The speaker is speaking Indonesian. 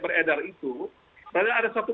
beredar itu padahal ada satu